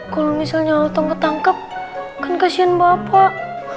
kalo misalnya otong ketangkep kan kasihan bapak